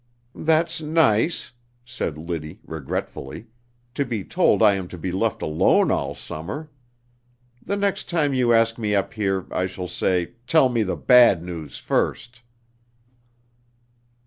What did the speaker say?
"That's nice," said Liddy regretfully, "to be told I am to be left alone all summer! The next time you ask me up here I shall say: 'Tell me the bad news first!'"